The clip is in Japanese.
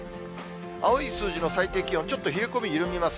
青い数字の最低気温、ちょっと冷え込み緩みます。